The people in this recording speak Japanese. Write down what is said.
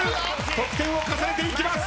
得点を重ねていきます。